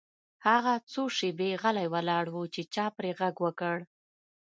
هغه څو شیبې غلی ولاړ و چې چا پرې غږ وکړ